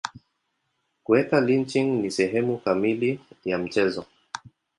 Kuweka lynching ni sehemu kamili ya mchezo.